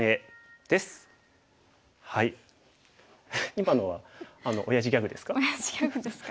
今のはおやじギャグですか？